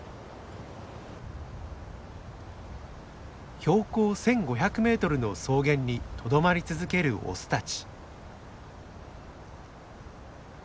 標高１，５００メートルの草原にとどまり続けるオスたち。